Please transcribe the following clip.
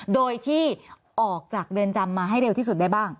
โดยที่ออกจากเรือนจำมาให้เร็วที่สุดได้บ้าง